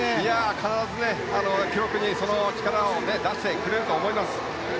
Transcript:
必ず記録に、その力を出してくれると思います。